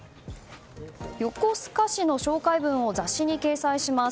横須賀市の紹介文を雑誌に掲載します